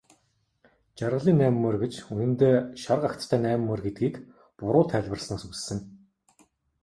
Жаргалын найман морь гэж үнэндээ шарга агттай найман морь гэдгийг буруу тайлбарласнаас үүссэн.